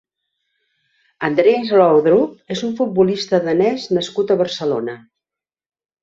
Andreas Laudrup és un futbolista danès nascut a Barcelona.